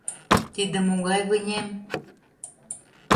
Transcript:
— Тиде могай вынем?